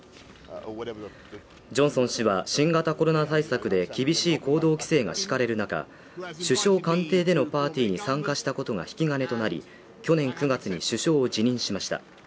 ジョンソン氏は新型コロナ対策で厳しい行動規制が敷かれる中、首相官邸でのパーティーに参加したことが引き金となり、去年９月に首相を辞任しました。